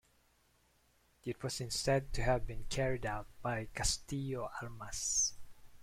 It was instead to have been carried out by Castillo Armas.